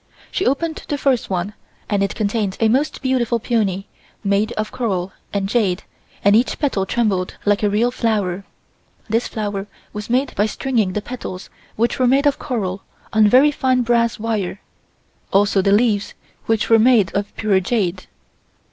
She opened the first one and it contained a most beautiful peony made of coral and jade and each petal trembled like a real flower. This flower was made by stringing the petals which were made of coral on very fine brass wire, also the leaves which were made of pure jade.